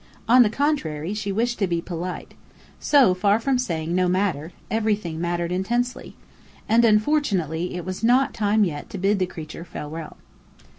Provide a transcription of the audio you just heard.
On the contrary, she wished to be polite. So far from saying "no matter," everything mattered intensely. And, unfortunately, it was not time yet to bid the creature "farewell."